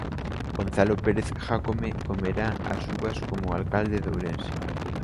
Gonzalo Pérez Jácome comerá as uvas como alcalde de Ourense.